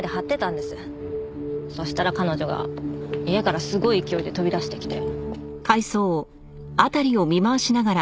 そしたら彼女が家からすごい勢いで飛び出してきて。